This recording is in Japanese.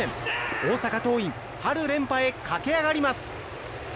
大阪桐蔭春連覇へ駆け上がります。